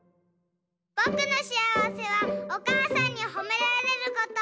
ぼくのしあわせはおかあさんにほめられること！